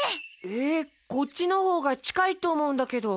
えっこっちのほうがちかいとおもうんだけど。